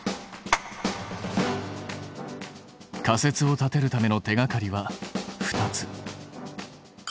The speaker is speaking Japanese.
仮説を立てるための手がかりは２つ。